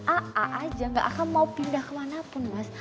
aa aja gak akan mau pindah kemana pun mas